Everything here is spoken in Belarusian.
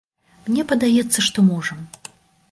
Мне падаецца, што можам.